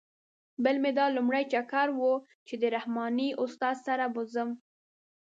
بل مې دا لومړی چکر و چې د رحماني استاد سره به ځم.